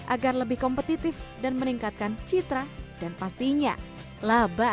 agar lebih kompetitif dan meningkatkan citra dan pastinya laba